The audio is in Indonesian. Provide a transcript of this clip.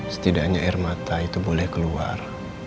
setidaknya air mata itu boleh keluar